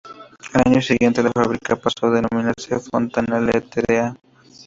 Al año siguiente la fábrica pasó a denominarse Fontana Ltda.